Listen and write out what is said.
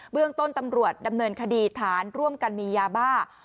เรื่องต้นตำรวจดำเนินคดีฐานร่วมกันมียาบ้า